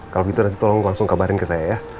kalau gitu nanti tolong langsung kabarin ke saya ya